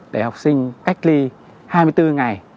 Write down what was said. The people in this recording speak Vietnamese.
để học sinh cách ly hai mươi bốn ngày